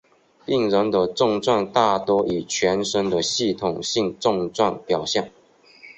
病人的症状大多以全身的系统性症状表现。